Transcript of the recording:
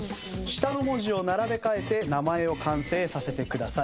下の文字を並べ替えて名前を完成させてください。